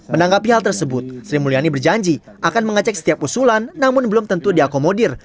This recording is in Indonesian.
menanggapi hal tersebut sri mulyani berjanji akan mengecek setiap usulan namun belum tentu diakomodir